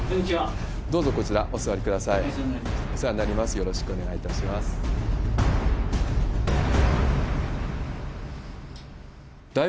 どうぞ、こちらお座りください。